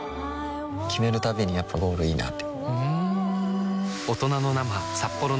決めるたびにやっぱゴールいいなってふん